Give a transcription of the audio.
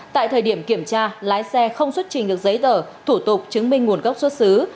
tại thời điểm kiểm tra lái xe không xuất trình được giấy tờ thủ tục chứng minh nguồn gốc xuất xứ